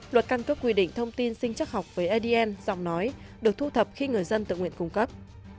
luật căn cước quy định thông tin sinh chắc học với adn giọng nói được thu thập khi người dân tự nguyện cung cấp